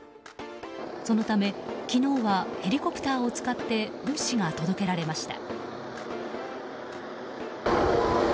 そのため昨日はヘリコプターを使って物資が届けられました。